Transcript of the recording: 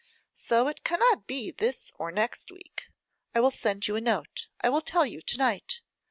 So it cannot be this or next week. I will send you a note; I will tell you to night.